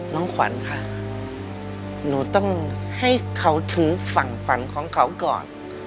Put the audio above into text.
น้องขวัญค่ะหนูต้องให้เขาถึงฝั่งฝันของเขาก่อน